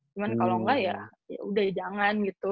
cuman kalo enggak ya udah jangan gitu